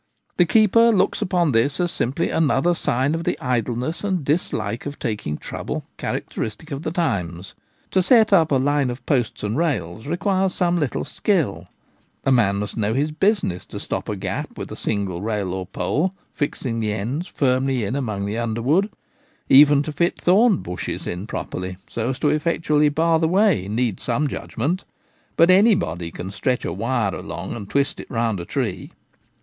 55 The keeper looks upon this simply as another sign of the idleness and dislike of taking trouble character istic of the times. To set up a line of posts and rails requires some little skill ; a man must know his business to stop a gap with a single rail or pole, fixing the ends firmly in among the underwood ; even to fit thorn bushes in properly, so as to effectually bar the way, needs some judgment: but anybody can stretch a wire along and twist it round a tree.